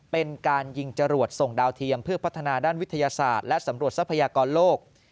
เป็นการยิงจรวดส่งดาวเทียมเพื่อพัฒนาด้านวิทยาศาสตร์และสำรวจทรัพยากรโลก